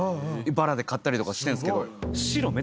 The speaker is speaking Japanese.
バラで買ったりとかしてるんですけど。